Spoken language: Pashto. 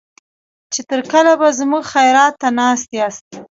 چې تر کله به زموږ خيرات ته ناست ياست.